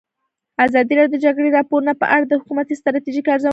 ازادي راډیو د د جګړې راپورونه په اړه د حکومتي ستراتیژۍ ارزونه کړې.